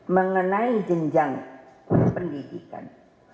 mengenai jenjang pendidikan